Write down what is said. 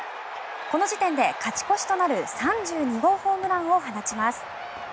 この時点で勝ち越しとなる３２号ホームランを放ちます。